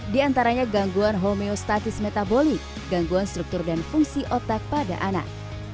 di antaranya gangguan homeostatis metaboli gangguan struktur dan fungsi otak pada anak